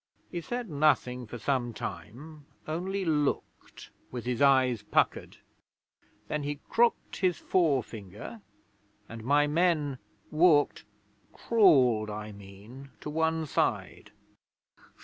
'He said nothing for some time, only looked, with his eyes puckered. Then he crooked his forefinger, and my men walked crawled, I mean to one side.